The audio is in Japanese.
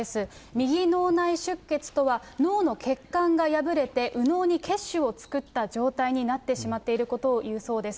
右脳内出血とは、脳の血管が破れて、右脳に血腫を作った状態になってしまっていることをいうそうです。